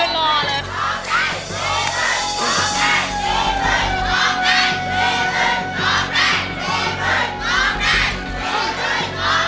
โทษให้